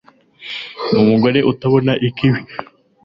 n'umugore utabona ikibi